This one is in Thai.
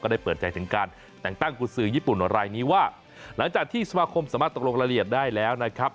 ได้เปิดใจถึงการแต่งตั้งกุศือญี่ปุ่นรายนี้ว่าหลังจากที่สมาคมสามารถตกลงรายละเอียดได้แล้วนะครับ